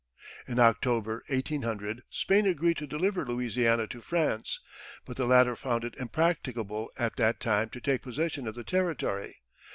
In October, 1800, Spain agreed to deliver Louisiana to France; but the latter found it impracticable at that time to take possession of the territory.